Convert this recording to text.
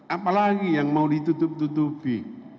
apalagi yang mau ditutup tutupi